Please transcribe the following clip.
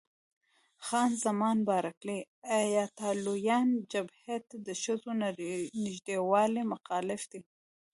خان زمان بارکلي: ایټالویان جبهې ته د ښځو د نږدېوالي مخالف دي.